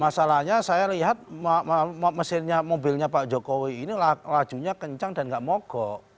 masalahnya saya lihat mobilnya pak jokowi ini lajunya kencang dan gak mogok